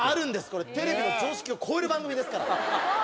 これテレビの常識を超える番組ですから。